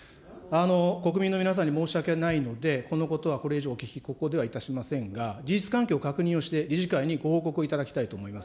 国民の皆さんに申し訳ないので、このことはこれ以上ここではいたしませんが、事実関係を確認をして、理事会にご報告いただきたいと思います。